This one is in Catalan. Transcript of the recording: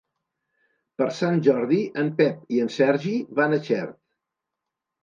Per Sant Jordi en Pep i en Sergi van a Xert.